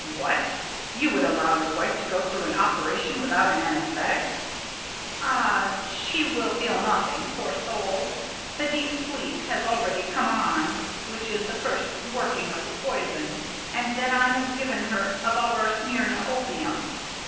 "What! You would allow your wife to go through an operation without an anaesthetic?" "Ah! she will feel nothing, poor soul. The deep sleep has already come on, which is the first working of the poison. And then I have given her of our Smyrna opium.